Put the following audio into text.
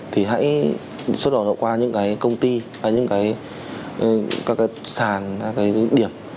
thì hãy xuất khẩu động qua những công ty các sàn các điểm